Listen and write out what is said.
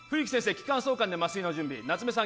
気管挿管で麻酔の準備夏梅さん